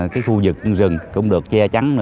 cái khu vực rừng cũng được che chắn